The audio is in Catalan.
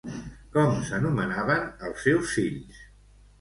Com s'anomenaven els seus fills?